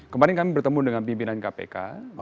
kemarin kami bertemu dengan pimpinan kpk